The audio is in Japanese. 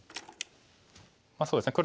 まあそうですね。